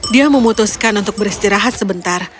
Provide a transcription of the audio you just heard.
dia memutuskan untuk beristirahat sebentar